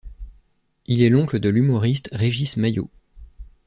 Il est l'oncle de l'humoriste Régis Mailhot.